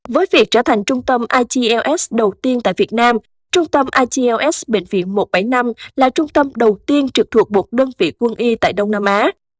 với việc trở thành trung tâm ielts đầu tiên tại việt nam trung tâm ielts bệnh viện một trăm bảy mươi năm là trung tâm đầu tiên trực thuộc một đơn vị quân y tại đông nam á